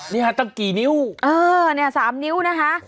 นี่ฮะตั้งกี่นิ้วเออเนี่ย๓นิ้วนะคะ